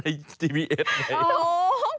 มันต้องคิดได้เลยว่าหลง